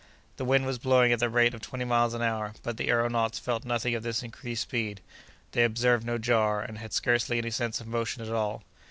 The wind was blowing at the rate of twenty miles an hour, but the aëronauts felt nothing of this increased speed. They observed no jar, and had scarcely any sense of motion at all.